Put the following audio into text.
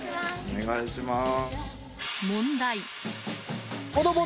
お願いします。